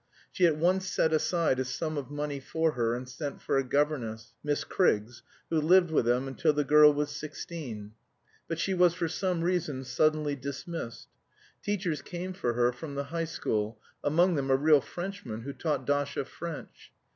She at once set aside a sum of money for her, and sent for a governess, Miss Criggs, who lived with them until the girl was sixteen, but she was for some reason suddenly dismissed. Teachers came for her from the High School, among them a real Frenchman, who taught Dasha French.